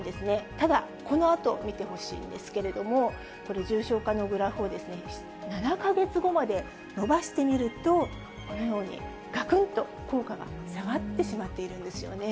ただ、このあと見てほしいんですけれども、これ、重症化のグラフを、７か月後まで伸ばしてみると、このように、がくんと効果が下がってしまっているんですよね。